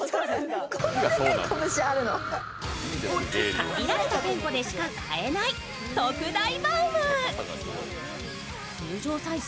限られた店舗でしか買えない特大サイズ。